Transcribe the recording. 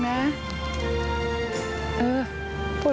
มันบอกว่าฮัลโหลเนี่ยเขาป่วยเป็นมะเร็งนะ